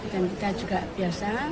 dan kita juga biasa